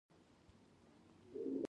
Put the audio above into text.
دوی دا کار غیرمنطقي کوي.